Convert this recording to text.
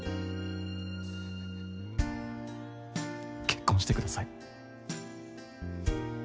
結婚してください。